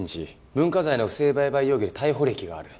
文化財の不正売買容疑で逮捕歴がある。